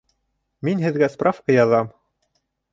Мин һеҙгә справка яҙам